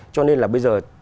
cho nên là bây giờ